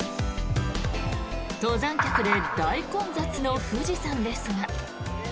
登山客で大混雑の富士山ですが。